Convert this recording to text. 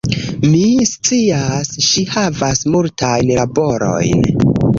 Mi scias, ŝi havas multajn laborojn